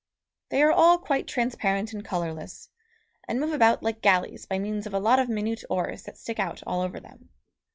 They are all quite transparent and colourless, and move about like galleys by means of a lot of minute oars that stick out all over them.